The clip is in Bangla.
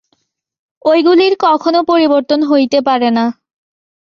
ঐগুলির কখনও পরিবর্তন হইতে পারে না।